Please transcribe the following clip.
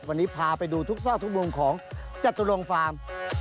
วันนี้พาไปดูทุกซ่อทุกวงของจัตรวงฟาร์ม